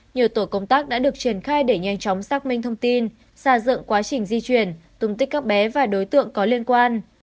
nhiều tổ công tác đã được triển khai để nhanh chóng xác minh thông tin xây dựng quá trình di chuyển tùng tích các bé và đối tượng có liên quan